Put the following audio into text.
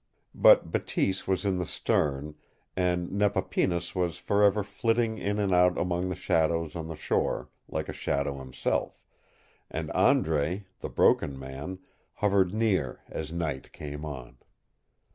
But Bateese was in the stern, and Nepapinas was forever flitting in and out among the shadows on the shore, like a shadow himself, and Andre, the Broken Man, hovered near as night came on.